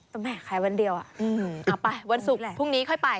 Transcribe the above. แต่แม่ขายวันเดียวเอาไปวันศุกร์แหละพรุ่งนี้ค่อยไป